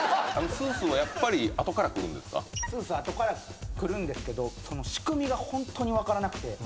スースー後からくるんですけどその仕組みがホントに分からなくて。